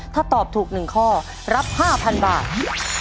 ถ้าตอบถูก๑ข้อรับ๕๐๐๐บาท